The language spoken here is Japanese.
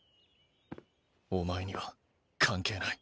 お前には関係ない。